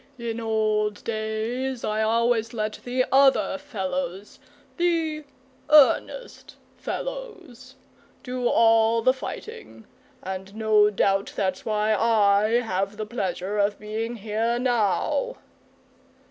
In old days I always let the other fellows the EARNEST fellows do all the fighting, and no doubt that's why I have the pleasure of being here now."